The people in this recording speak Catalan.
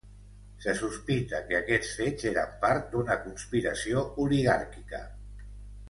Se sospita que aquests fets eren part d'una conspiració oligàrquica.